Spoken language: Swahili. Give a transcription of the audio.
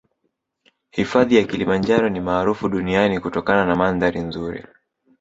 Hifadhi ya kilimanjaro ni maarufu duniani kutokana na mandhari nzuri